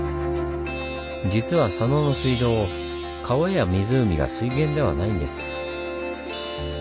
実は佐野の水道川や湖が水源ではないんです。